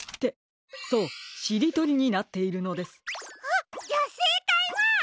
じゃあせいかいは！